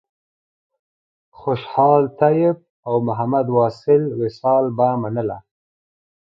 خوشحال طیب او محمد واصل وصال به منله.